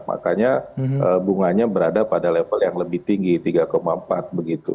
makanya bunganya berada pada level yang lebih tinggi tiga empat begitu